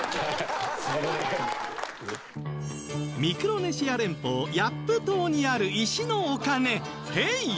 ミクロネシア連邦ヤップ島にある石のお金フェイ